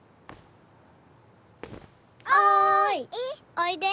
おいで。